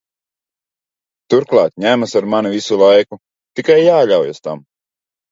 Turklāt ņemas ar mani visu laiku, tikai jāļaujas tam.